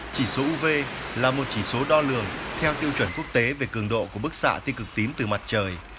chỉ số uv là một chỉ số đo lường theo tiêu chuẩn quốc tế về cường độ của bức xạ ti cực tím từ mặt trời